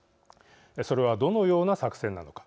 それはどのような作戦なのか